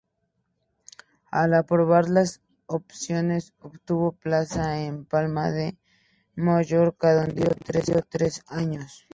Al aprobar las oposiciones obtuvo plaza en Palma de Mallorca, donde vivió tres años.